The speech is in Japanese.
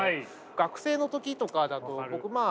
学生の時とかだと僕まあ